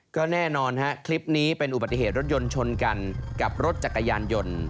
ก็แน่นอนฮะคลิปนี้เป็นอุบัติเหตุรถยนต์ชนกันกับรถจักรยานยนต์